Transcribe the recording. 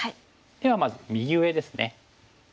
ではまず右上ですね。